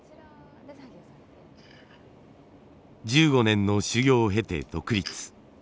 １５年の修業を経て独立。